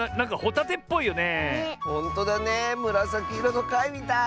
むらさきいろのかいみたい！